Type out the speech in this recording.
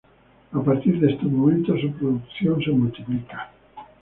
A partir de este momento su producción se multiplica.